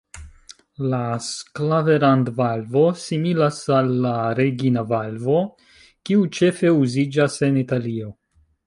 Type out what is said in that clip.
La „Sclaverand“-valvo similas al la "Regina-valvo", kiu ĉefe uziĝas en Italio.